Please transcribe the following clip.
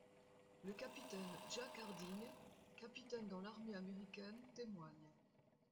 Le capitaine Jack Harding, capitaine dans l'armée américaine témoigne.